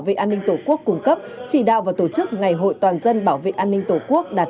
về an ninh tổ quốc cung cấp chỉ đạo và tổ chức ngày hội toàn dân bảo vệ an ninh tổ quốc đạt